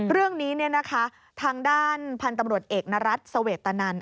เรื่องนี้เนี่ยนะคะทางด้านพันธมรวชเอกนรัฐสเวตนัน